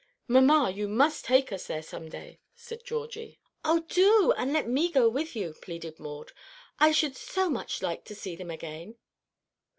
"Mamma, you must take us there some day," said Georgie. "Oh, do, and let me go with you," pleaded Maud. "I should like so much to see them again."